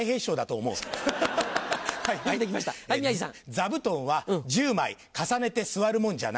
座布団は１０枚重ねて座るもんじゃない。